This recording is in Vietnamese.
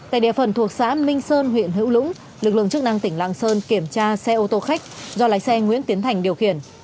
tại địa phận thuộc xã minh sơn huyện hữu lũng lực lượng chức năng tỉnh lạng sơn kiểm tra xe ô tô khách do lái xe nguyễn tiến thành điều khiển